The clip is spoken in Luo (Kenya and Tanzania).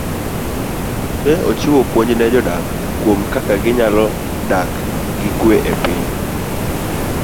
Ne ochiwo puonj ne jodak kuom kaka ginyalo dak gi kwee e piny.